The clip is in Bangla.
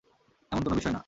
এমন কোন বিষয় না।